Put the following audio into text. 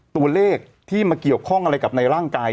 ตัวเลขที่มาเกี่ยวข้องอะไรกับในร่างกาย